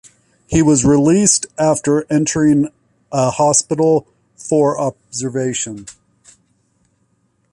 He was released after entering a hospital for observation.